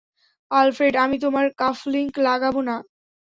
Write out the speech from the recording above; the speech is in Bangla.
আলফ্রেড, আমি তোমার কাফলিংক লাগাবো না।